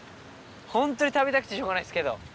ホントに食べたくてしょうがないですけど。